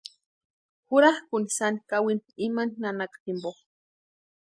Jurakʼuni sani kawini imani nanaka jimpo.